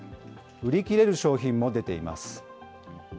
売り切れる商品も出ています。